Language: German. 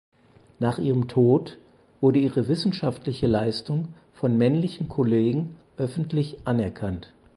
Nach ihrem Tod wurde ihre wissenschaftliche Leistung von männlichen Kollegen öffentlich anerkannt.